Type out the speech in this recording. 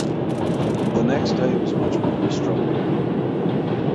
The next day was much more destructive.